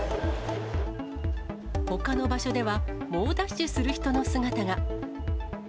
ほかの場所では、猛ダッシュする人の姿が。